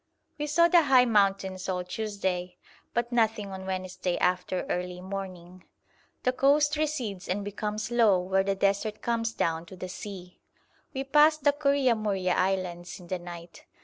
We saw the high mountains all Tuesday, but nothing on Wednesday after early morning. The coast recedes and becomes low where the desert comes down to the sea. We passed the Kouria Mouria Islands in the night.